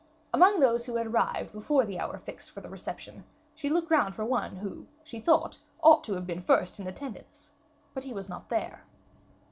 Among those who had arrived before the hour fixed for the reception she looked round for one who, she thought, ought to have been first in attendance, but he was not there.